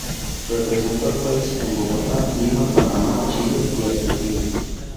Representó al país en Bogotá, Lima, Panamá, Chile y Argentina.